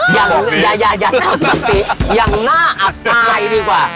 อย่าอย่าอย่าอย่าสมศักดิ์ศรีอย่างหน้าอัดปลายดีกว่า